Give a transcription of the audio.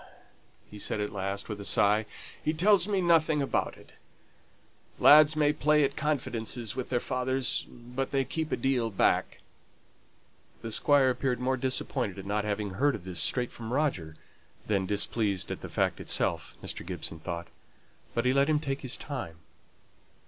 he said at last, with a sigh. "He tells me nothing about it. Lads may play at confidences with their fathers, but they keep a deal back." The Squire appeared more disappointed at not having heard of this straight from Roger than displeased at the fact itself, Mr. Gibson thought. But he let him take his time.